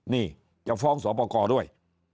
นี่จะฟ้องศพกรด้วย